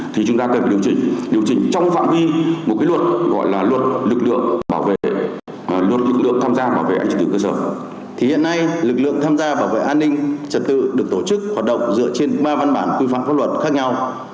thì hiện nay lực lượng tham gia bảo vệ an ninh trật tự được tổ chức hoạt động dựa trên ba văn bản quy phạm pháp luật khác nhau